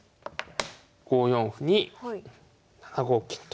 ５四歩に７五金と。